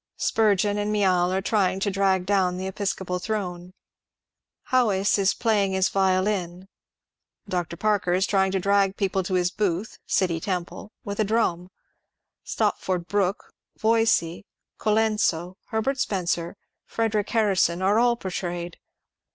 Spurgeon and Miall are trying to drag down the episcopal throne ; Haweis is playing on his violin ; Dr. Parker is trying to drag people to his booth (City Temple) with a drum ; Stopford Brooke, Voysey, Co lenso, Herbert Spencer, Frederic Harrison, are all portrayed.